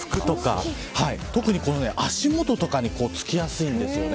服とか特に足元とかに付きやすいんですよね